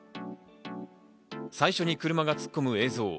最初に車が突っ込む映像。